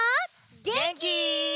げんき？